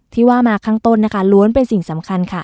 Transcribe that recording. ที่ว่ามาข้างต้นนะคะล้วนเป็นสิ่งสำคัญค่ะ